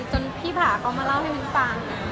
จนพี่ผาก็มาเล่าให้มินฟัง